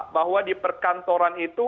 bahwa di perkantoran itu